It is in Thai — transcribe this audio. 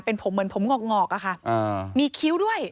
เป็นผมเหมือนผมงอกอะค่ะมีคิ้วด้วย